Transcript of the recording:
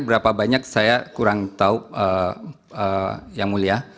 berapa banyak saya kurang tahu yang mulia